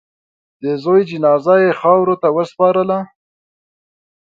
د زوی جنازه یې خاورو ته وسپارله.